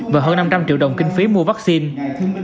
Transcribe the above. và hơn năm trăm linh triệu đồng kinh phí mua vaccine